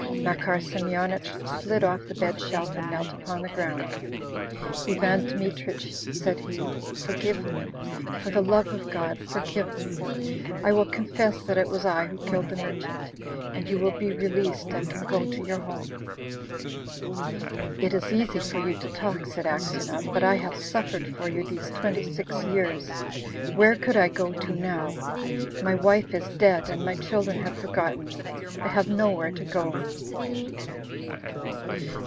Makar Semyonich slid off the bed shelf and knelt upon the ground. "Ivan Dmitrich," said he, "forgive me! For the love of God, forgive me! I will confess that it was I who killed the merchant, and you will be released and can go to your home." "It is easy for you to talk," said Aksionov, "but I have suffered for you these twenty six years. Where could I go to now?... My wife is dead, and my children have forgotten me. I have nowhere to go..."